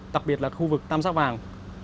đặc biệt là khu vực tam giác vàng